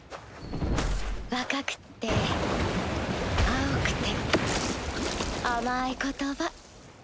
若くって青くて甘い言葉。